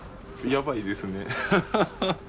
やばいです。